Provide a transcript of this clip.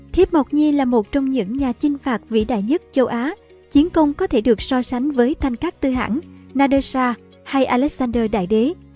thiếp mộc nhi là một trong những nhà chinh phạt vĩ đại nhất châu á chiến công có thể được so sánh với thanh các tư hãng nadessa hay alexander đại đế